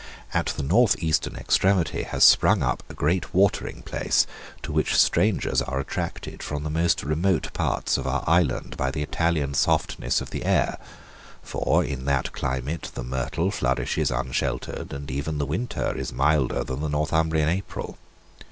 At the northeastern extremity has sprung up a great watering place, to which strangers are attracted from the most remote parts of our island by the Italian softness of the air; for in that climate the myrtle flourishes unsheltered; and even the winter is milder than the Northumbrian April.